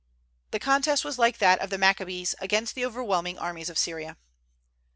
The contest was like that of the Maccabees against the overwhelming armies of Syria.